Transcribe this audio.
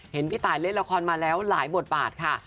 พี่ตายเล่นละครมาแล้วหลายบทบาทค่ะ